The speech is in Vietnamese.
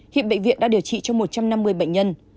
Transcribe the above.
hiện bệnh viện đã điều trị cho một trăm năm mươi bệnh nhân